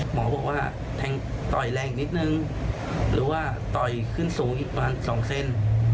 หมอบอกว่าแทงต่อยแรงอีกนิดนึงหรือว่าต่อยขึ้นสูงอีกประมาณ๒เซน